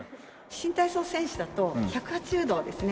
新体操選手だと１８０度ですね